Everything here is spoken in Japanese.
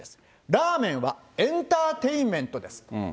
ラーメンはエンターテインメントです。